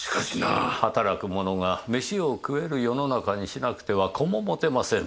働く者が飯を食える世の中にしなくては子も持てませぬ。